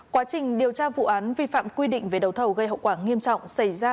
quá trình điều tra vụ án vi phạm quy định về đầu thầu gây hậu quả nghiêm trọng xảy ra